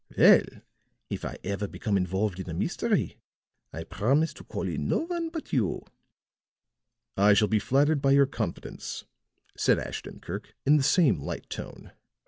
Well, if I ever become involved in a mystery, I promise to call in no one but you." "I shall be flattered by your confidence," said Ashton Kirk in the same light tone.